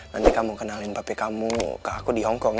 nanti kamu kenalin pp kamu ke aku di hongkong